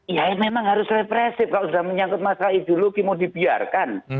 ya memang harus represif kalau sudah menyangkut masalah ideologi mau dibiarkan